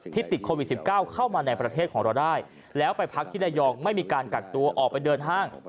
ติดโควิด๑๙เข้ามาในประเทศของเราได้แล้วไปพักที่ระยองไม่มีการกักตัวออกไปเดินห้าง